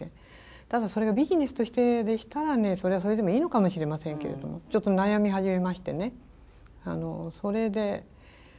ただそれがビジネスとしてでしたらそれはそれでもいいのかもしれませんけれどもちょっと悩み始めましてねそれで。